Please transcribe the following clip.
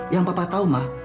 yang papa tau ma